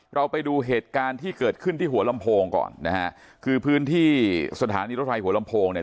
เราไปดูเหตุการณ์ที่เกิดขึ้นที่หัวลำโพงก่อนนะฮะคือพื้นที่สถานีรถไฟหัวลำโพงเนี่ย